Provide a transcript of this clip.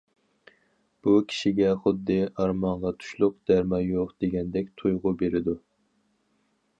بۇ كىشىگە خۇددى‹‹ ئارمانغا تۇشلۇق دەرمان يوق›› دېگەندەك تۇيغۇ بېرىدۇ.